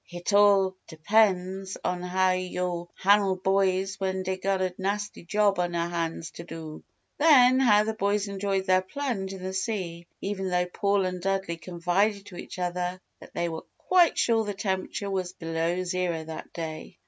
"Hit all depen's on how yo' han'le boys when dey gotta nasty job on 'er han's to do!" Then, how the boys enjoyed their plunge in the sea, even though Paul and Dudley confided to each other that they were quite sure the temperature was below zero that day.